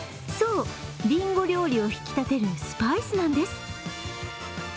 そう、リンゴ料理を引き立てるスパイスなんです。